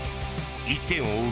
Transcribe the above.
１点を追う